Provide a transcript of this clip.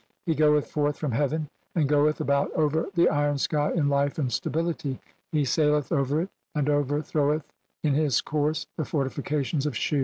He goeth forth from heaven and "goeth about over the iron sky in life and stability, "he saileth over it and overthroweth in his course "the fortifications of Shu.